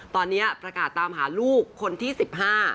ตอนนี้ประกาศตามหาลูกคนที่สิบห้า